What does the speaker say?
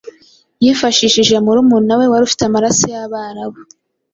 Yifashishije murumuna we wari ufite amaraso y’Abarabu,